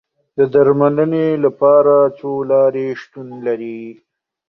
د درملنې لپاره څو لارې شتون لري.